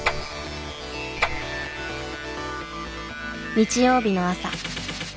日曜日の朝。